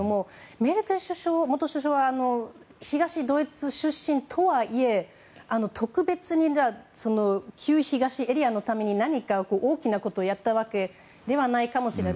メルケル元首相が東ドイツ出身とはいえ特別に、旧東エリアのために何か大きなことをやったわけではないかもしれない。